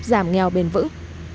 giảm nghèo bền vững